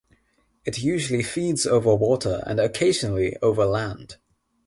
It usually feeds over water and occasionally over land.